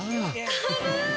軽い！